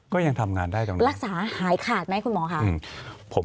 ก็ยังทำงานได้ตรงนั้น